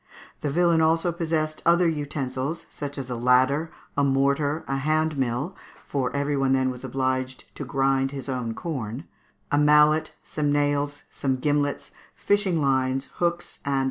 The villain also possessed other utensils, such as a ladder, a mortar, a hand mill for every one then was obliged to grind his own corn; a mallet, some nails, some gimlets, fishing lines, hooks, and baskets, &c.